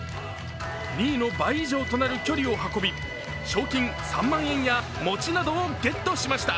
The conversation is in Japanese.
２位の倍以上となる距離を運び賞金３万円や餅などをゲットしました。